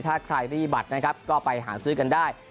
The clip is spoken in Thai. ถ้าใครไม่มีบัตรนะครับก็ไปหาซื้อกันได้